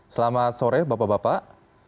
selamat sore bapak bapak